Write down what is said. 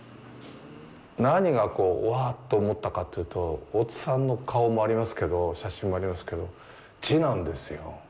何が、わあっと思ったかというと、大津さんの顔もありますけど、写真もありますけど、字なんですよ。